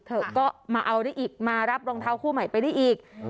เถอะก็มาเอาได้อีกมารับรองเท้าคู่ใหม่ไปได้อีก